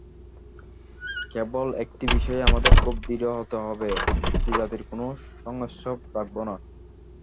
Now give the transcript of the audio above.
কেবল একটি বিষয়ে আমাদের খুব দৃঢ় হতে হবে, স্ত্রীজাতির কোনো সংস্রব রাখব না।